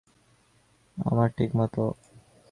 আমার ঠিকমত ঘুম হয় না অনেক অশান্তি লাগে।